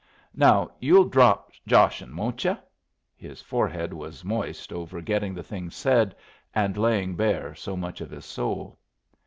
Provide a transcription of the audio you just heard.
Now you'll drop joshing, won't yu'?" His forehead was moist over getting the thing said and laying bare so much of his soul.